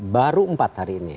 baru empat hari ini